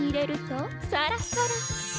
サラサラ。